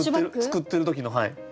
作ってる時のはい。